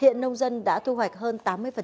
hiện nông dân đã thu hoạch hơn tám mươi